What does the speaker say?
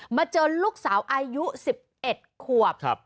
มาเจอลูกสาวอายุ๑๑ขวบ